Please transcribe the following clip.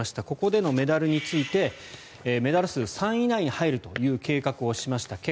ここでのメダルについてメダル数３位以内に入るという計画をしました。